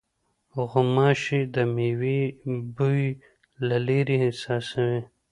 غوماشې د مېوې بوی له لېرې احساسوي.